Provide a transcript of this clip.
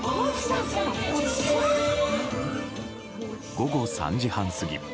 午後３時半過ぎ。